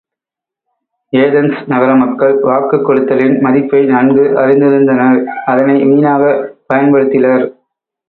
Athens நகர மக்கள் வாக்குக் கொடுத்தலின் மதிப்பை நன்கு அறிந்திருந்தனர் அதனை வீணாகப் பயன்படுத்திலர்.